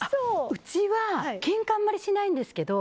うちは、けんかあまりしないんですけど